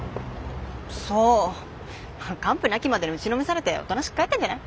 完膚なきまでに打ちのめされておとなしく帰ったんじゃない？